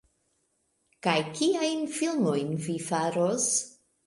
Kaj kiajn filmojn vi faros?